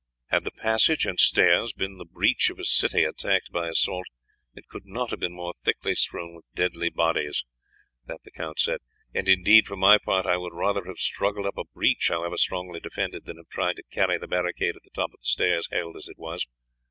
"Had the passage and stairs been the breach of a city attacked by assault it could not have been more thickly strewn with dead bodies," the count said; "and indeed for my part I would rather have struggled up a breach, however strongly defended, than have tried to carry the barricade at the top of the stairs, held as it was.